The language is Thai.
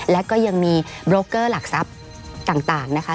และก็ยังมีโบรกเกอร์หลักทรัพย์ต่างนะคะ